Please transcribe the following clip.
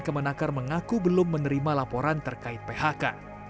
kemenakar mengaku belum menerima laporan terkait phk